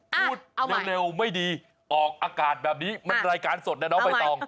พูดเร็วไม่ดีออกอากาศแบบนี้มันรายการสดนะน้องใบตอง